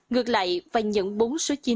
ngược lại vàng nhẫn bốn số chín